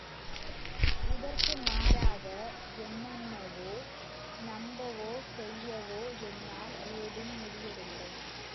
இதற்கு மாறாக என்னணவோ, நம்பவோ, செய்யவோ என்னால் ஏதும் முடியவில்லை.